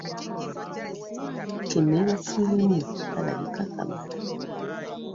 Ke nneebaseemu kalabika kamala.